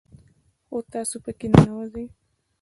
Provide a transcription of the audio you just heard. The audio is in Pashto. خو تاسو په كي ننوځئ